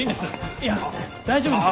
いや大丈夫ですから。